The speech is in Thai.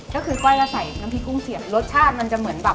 ก็คือก้อยจะใส่น้ำพริกกุ้งเสียบรสชาติมันจะเหมือนแบบ